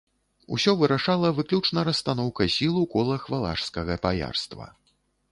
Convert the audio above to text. Усё вырашала выключна расстаноўка сіл у колах валашскага баярства.